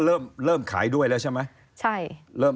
เริ่มขายด้วยใช่มั้ยใช่